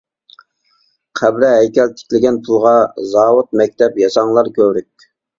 قەبرە، ھەيكەل تىكلىگەن پۇلغا، زاۋۇت، مەكتەپ، ياساڭلار كۆۋرۈك.